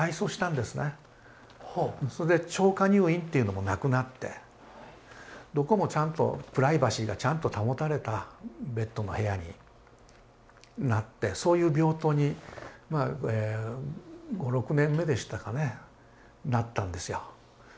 それで超過入院というのもなくなってどこもちゃんとプライバシーがちゃんと保たれたベッドの部屋になってそういう病棟に５６年目でしたかねなったんですよ。